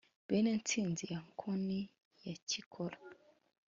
bene ntsinzi ya nkoni ya cyikora